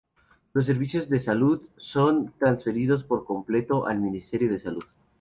Los servicios de salud son transferidos por completo al Ministerio de Salud.